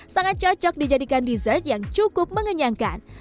sangat cocok dijadikan dessert yang cukup mengenyangkan